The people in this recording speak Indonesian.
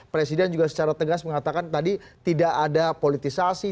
presiden juga secara tegas mengatakan tadi tidak ada politisasi